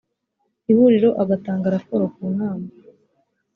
ihuriro agatanga raporo ku nama